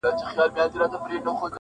مـــۀ ژاړۀ ژړا بــه د چــا څۀ اوکـــړي